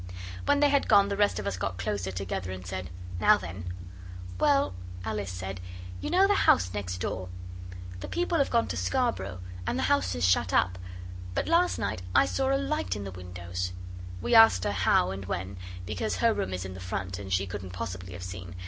When they had gone, the rest of us got closer together and said 'Now then.' 'Well,' Alice said, 'you know the house next door? The people have gone to Scarborough. And the house is shut up. But last night I saw a light in the windows.' We asked her how and when, because her room is in the front, and she couldn't possibly have seen.